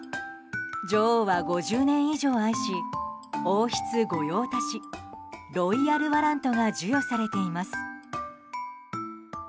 女王は５０年以上愛し王室ご用達ロイヤルワラントが授与されています。